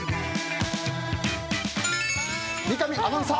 三上アナウンサー